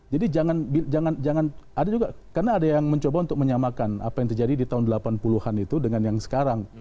jangan ada juga karena ada yang mencoba untuk menyamakan apa yang terjadi di tahun delapan puluh an itu dengan yang sekarang